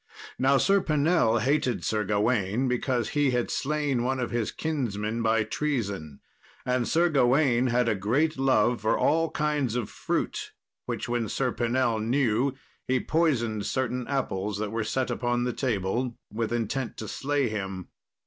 Now Sir Pinell hated Sir Gawain because he had slain one of his kinsmen by treason; and Sir Gawain had a great love for all kinds of fruit, which, when Sir Pinell knew, he poisoned certain apples that were set upon the table, with intent to slay him.